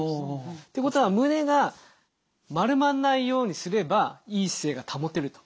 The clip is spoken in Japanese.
っていうことは胸が丸まんないようにすればいい姿勢が保てると。